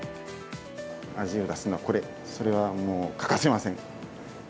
味を出すのはこれ、それはもう欠かせません。